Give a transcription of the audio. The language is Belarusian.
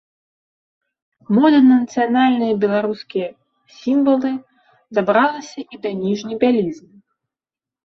Мода на нацыянальныя беларускія сімвалы дабралася і да ніжняй бялізны.